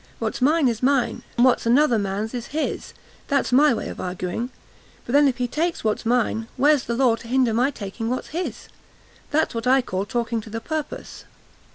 What's mine is mine, and what's another man's is his; that's my way of arguing; but then if he takes what's mine, where's the law to hinder my taking what's his? This is what I call talking to the purpose.